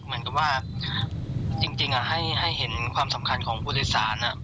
เหมือนกับว่าจริงจริงอ่ะให้ให้เห็นความสำคัญของผู้โดยสารอ่ะ